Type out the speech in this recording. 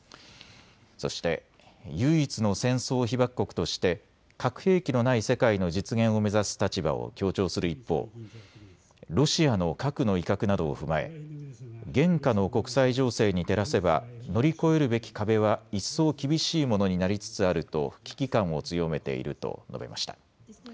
そして唯一の戦争被爆国として核兵器のない世界の実現を目指す立場を強調する一方、ロシアの核の威嚇などを踏まえ現下の国際情勢に照らせば乗り越えるべき壁は一層厳しいものになりつつあると危機感を強めていると述べました。